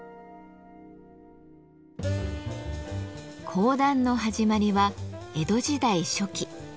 講談の始まりは江戸時代初期。